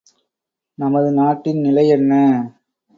நமது நாட்டின் நிலை என்ன?